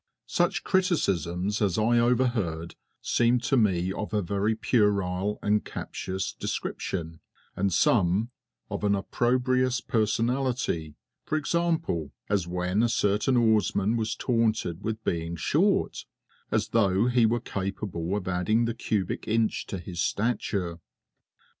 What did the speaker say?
Such criticisms as I overheard, seemed to me of a very puerile and captious description, and some of an opprobrious personality, e.g., as when a certain oarman was taunted with being short as though he were capable of adding the cubic inch to his stature!